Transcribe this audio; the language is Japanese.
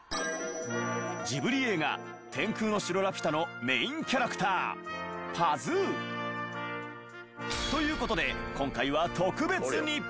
ジブリ映画『天空の城ラピュタ』のメインキャラクターパズー。という事で今回は特別に。